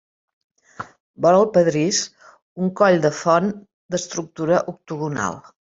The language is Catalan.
Vora el pedrís, un coll de font d'estructura octogonal.